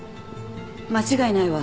間違いないわ。